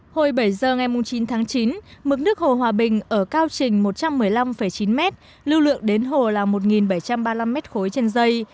hồi bảy giờ ngày chín tháng chín mức nước hồ hòa bình ở cao trình một trăm một mươi năm chín mét lưu lượng đến hồ là một bảy trăm ba mươi năm mét khối trên dây